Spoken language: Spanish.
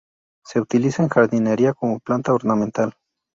Se utiliza en jardinería como planta ornamental.